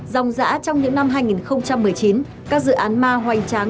dòng giã trong những năm hai nghìn một mươi chín các dự án ma hoành tráng